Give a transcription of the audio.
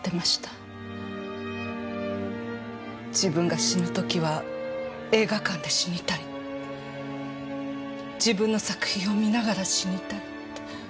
「自分が死ぬ時は映画館で死にたい」「自分の作品を観ながら死にたい」って。